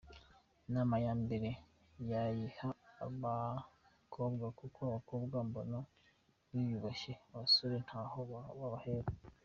Inama yambere nayiha abakobwa kuko abakobwa mbona biyubashye, abasore ntaho babahera.